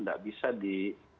tidak bisa di